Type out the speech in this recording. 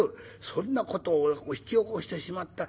そんな事を引き起こしてしまった。